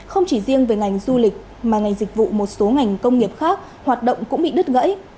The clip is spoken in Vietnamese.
không chỉ riêng về ngành du lịch mà ngành dịch vụ một số ngành công nghiệp khác hoạt động cũng bị đứt gãy